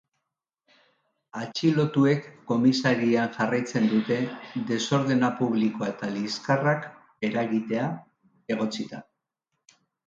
Atxilotuek komisarian jarraitzen dute desordena publikoa eta liskarrak eragitea egotzita.